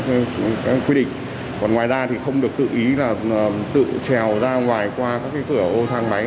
các quy định còn ngoài ra thì không được tự ý là tự trèo ra ngoài qua các cái cửa ô thang máy